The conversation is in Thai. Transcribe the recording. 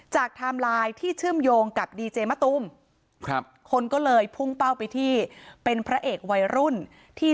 ไทม์ไลน์ที่เชื่อมโยงกับดีเจมะตูมครับคนก็เลยพุ่งเป้าไปที่เป็นพระเอกวัยรุ่นที่